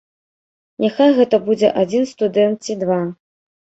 Няхай гэта будзе адзін студэнт ці два!